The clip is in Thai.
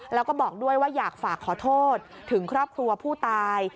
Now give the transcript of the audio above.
แล้วก็บอกด้วยว่าอยากฝากขอโทษถึงครอบครัวผู้ตาย